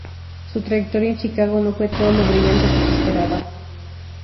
Su trayectoria en Chicago no fue todo lo brillante que se esperaba.